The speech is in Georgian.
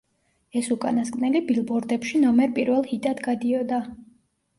ეს უკანასკნელი ბილბორდებში ნომერ პირველ ჰიტად გადიოდა.